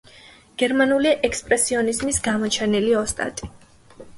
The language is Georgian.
გერმანული ექსპრესიონიზმის გამოჩენილი ოსტატი.